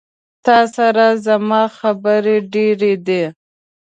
تا سره زما خبري ډيري دي